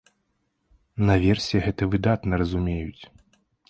Наверсе гэта выдатна разумеюць.